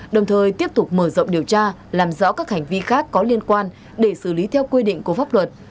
đồng thời tiếp tục mở rộng điều tra làm rõ các hành vi khác có liên quan để xử lý theo quy định của pháp luật